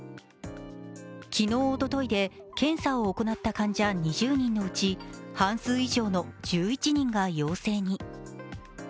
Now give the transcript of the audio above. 昨日、おとといで検査を行った患者２０人のうち半数以上の１１人が陽性に。